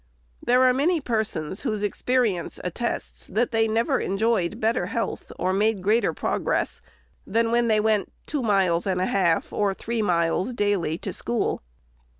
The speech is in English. There are many persons, whose experience attests, that they never enjoyed better health, or made greater progress, than when they went two miles and a half or three miles, daily, to school.